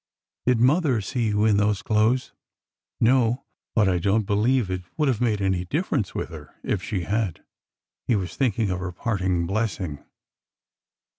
'' Did mother see you in those clothes ?"'' No. But I don't believe it would have made any dif ference with her if she had." He was thinking of her parting blessing.